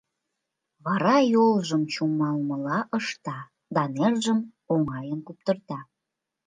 Вара йолжым чумалмыла ышта да нержым оҥайын куптырта: